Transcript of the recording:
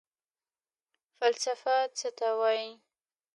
فلسفه څه ته وايي؟